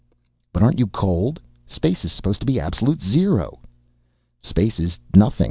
"But aren't you cold? Space is supposed to be absolute zero!" "Space is nothing.